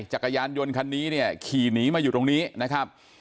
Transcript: จักรยานยนต์คันนี้เนี่ยขี่หนีมาอยู่ตรงนี้นะครับ